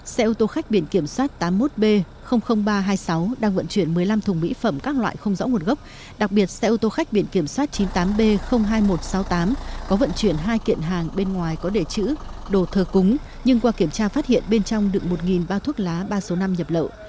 xe ô tô khách biển kiểm soát tám mươi một b ba trăm hai mươi sáu đang vận chuyển một mươi năm thùng mỹ phẩm các loại không rõ nguồn gốc đặc biệt xe ô tô khách biển kiểm soát chín mươi tám b hai nghìn một trăm sáu mươi tám có vận chuyển hai kiện hàng bên ngoài có đề chữ đồ thờ cúng nhưng qua kiểm tra phát hiện bên trong đựng một bao thuốc lá ba trăm năm nhập lậu